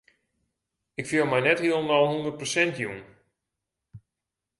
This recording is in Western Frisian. Ik fiel my net hielendal hûndert persint jûn.